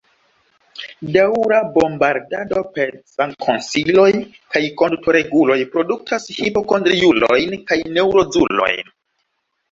Daŭra bombardado per sankonsiloj kaj kondutoreguloj produktas hipokondriulojn kaj neŭrozulojn.